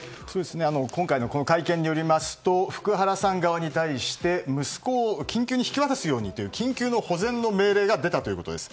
今回の会見によりますと福原さん側に対して息子を緊急に引き渡すようにと緊急の保全の命令が出たということです。